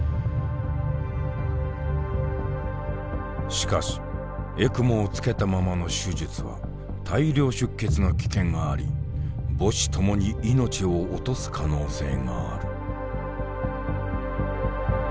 しかしＥＣＭＯをつけたままの手術は大量出血の危険があり母子ともに命を落とす可能性がある。